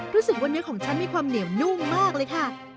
รู้สึกว่าเนื้อของฉันมีความเหนียวนุ่มมากเลยค่ะ